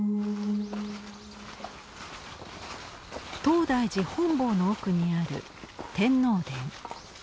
東大寺本坊の奥にある天皇殿。